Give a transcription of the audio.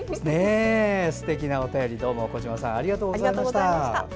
すてきなお便り、小島さんありがとうございました。